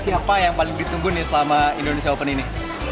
siapa yang paling ditunggu nih selama indonesia open ini